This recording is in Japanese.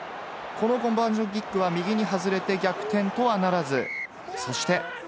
このコンバージョンキックは右に外れて逆転とはならず、そして。